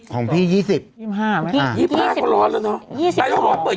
ของพี่ยี่สิบค่ะยี่สิบห้าเหมือนพี่ยี่สิบห้านมันร้อนแล้วต้อง